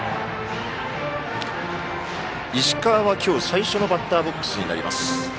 石川は今日、最初のバッターボックスになります。